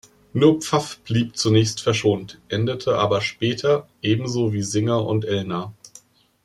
Nur Pfaff blieb zunächst verschont, endete aber später, ebenso wie Singer und Elna.